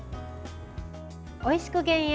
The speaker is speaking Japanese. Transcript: おいしく減塩！